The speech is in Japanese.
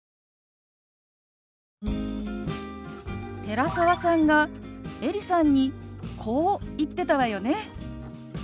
寺澤さんがエリさんにこう言ってたわよね。